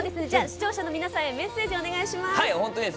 視聴者の皆さんにメッセージをお願いします。